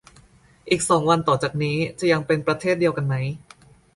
อีกสองวันต่อจากนี้จะยังเป็นประเทศเดียวกันไหม